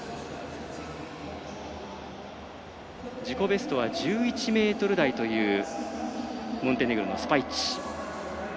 自己ベストは１１ｍ台というモンテネグロのスパイッチ。